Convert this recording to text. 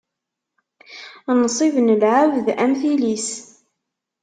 Nnṣib n lɛebd, am tili-s.